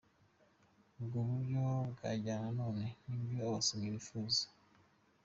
Ubwo buryo bwajyana na none nibyo abasomyi bifuza.